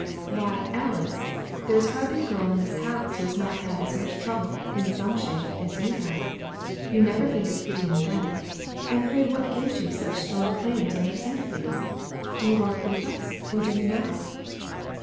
"Why, Alice, there is hardly a girl in this house who has not as much trouble, in some shape, as you have. You never think of pitying them; and pray what gives you such strong claims on their sympathies? Do you walk with us, or do you not?"